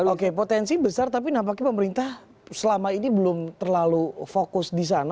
oke potensi besar tapi nampaknya pemerintah selama ini belum terlalu fokus di sana